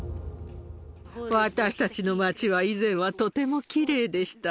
私たちの町は、以前はとてもきれいでした。